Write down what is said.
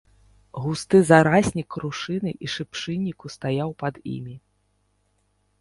Густы зараснік крушыны і шыпшынніку стаяў пад імі.